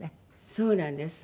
そうなんです。